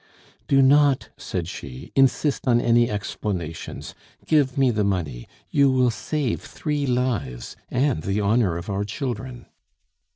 "Do not," said she, "insist on any explanations. Give me the money! You will save three lives and the honor of our children."